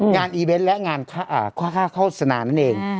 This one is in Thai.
อีเวนต์และงานโฆษณานั่นเอง